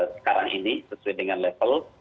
sekarang ini sesuai dengan level